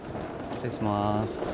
失礼します。